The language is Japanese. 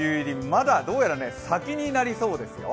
まだどうやら先になりそうですよ。